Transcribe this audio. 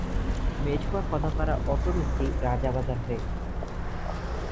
Mechua Kadapara auto রুটটি Rajabazar হয়ে।